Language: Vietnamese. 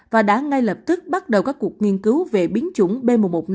và đã ngay lập tức bắt đầu các cuộc nghiên cứu về biến chủng b một một năm trăm hai mươi chín